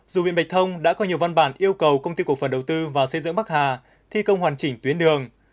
dù huyện bạch thông đã có nhiều văn bản yêu cầu công ty cổ phần đầu tư và xây dựng bắc hà thi công hoàn chỉnh tuyến đường